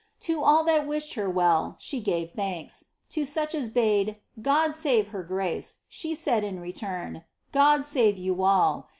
To all that wished her well, she gave tlianks. To such as bade ' God save her grace,' she said, iii return, 'God save you all!'